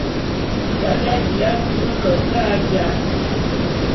Tate a bilí afub kekâ e jāl.